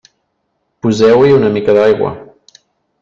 Poseu-hi una mica d'aigua.